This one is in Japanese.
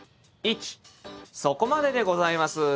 そこまででございます。